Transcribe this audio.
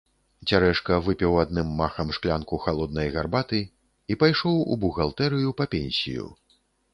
Цярэшка выпіў адным махам шклянку халоднай гарбаты і пайшоў у бухгалтэрыю па пенсію.